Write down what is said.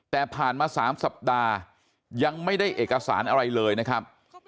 แต่ผ่านมา๓สัปดาห์ยังไม่ได้เอกสารอะไรเลยนะครับ